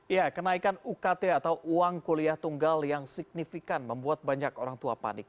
ya kenaikan ukt atau uang kuliah tunggal yang signifikan membuat banyak orang tua panik